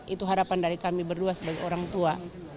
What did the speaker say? itu harapan dari kami berdua sebagai orang tua